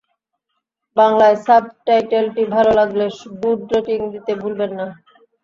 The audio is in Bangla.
বাংলায় সাবটাইটেলটি ভালো লাগলে গুড রেটিং দিতে ভুলবেন না।